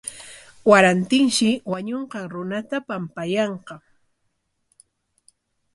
Warantinshi wañunqan runata pampayanqa.